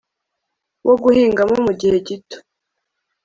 wo guhingamo mu gihe gito